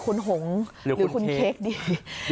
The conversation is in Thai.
คุณหงหรือคุณเค้กดี